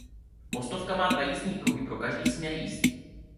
Mostovka má dva jízdní pruhy pro každý směr jízdy.